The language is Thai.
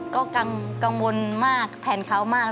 ก็กังวลมากแทนเขามาก